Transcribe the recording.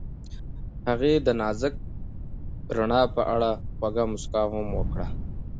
هغې د نازک رڼا په اړه خوږه موسکا هم وکړه.